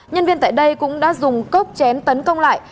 nhân viên tại đây cũng đã dùng cốc chém tấn công lại